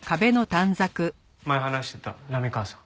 前話してた波川さん。